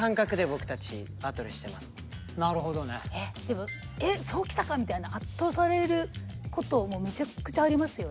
でもえっそうきたかみたいな圧倒されることもめちゃくちゃありますよね？